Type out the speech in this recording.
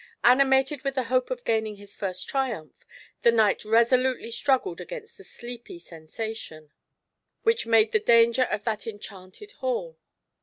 Animated with the hope of gaining his first triumph, the knight resolutely struggled against the sleepy sen sation which made the danger of that enchanted hall.